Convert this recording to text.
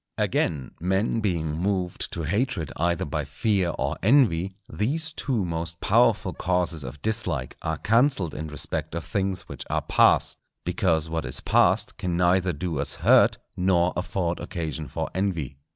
Again, men being moved to hatred either by fear or envy, these two most powerful causes of dislike are cancelled in respect of things which are past, because what is past can neither do us hurt, nor afford occasion for envy.